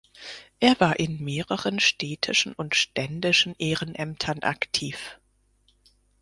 Er war in mehreren städtischen und ständischen Ehrenämtern aktiv.